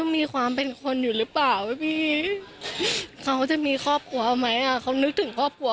มีความเป็นคนอยู่หรือเปล่าพี่เขาจะมีครอบครัวไหมเขานึกถึงครอบครัว